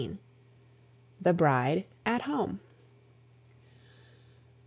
THE BRIDE AT HOME.